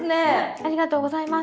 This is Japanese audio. ありがとうございます。